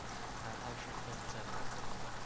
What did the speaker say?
拿到身分證了